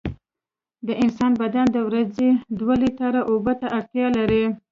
د انسان بدن د ورځې دوه لېټره اوبو ته اړتیا لري.